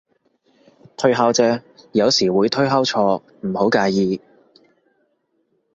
推敲啫，有時會推敲錯，唔好介意